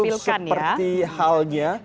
itu seperti halnya